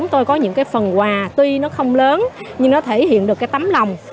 tôi có những cái phần quà tuy nó không lớn nhưng nó thể hiện được cái tấm lòng